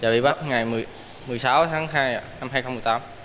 và bị bắt ngày một mươi sáu tháng hai năm hai nghìn một mươi tám